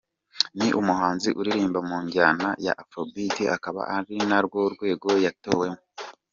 Ni umuhanzi uririmba mu njyana ya Afro beat akaba ari narwo rwego yatowemo.